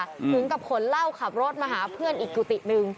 ถึงกับขนเหล้าขับรถมาหาเพื่อนอีกกุฏิหนึ่ง